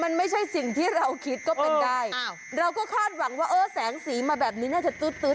มันไม่ใช่สิ่งที่เราคิดก็เป็นได้อ้าวเราก็คาดหวังว่าเออแสงสีมาแบบนี้น่าจะตื๊ด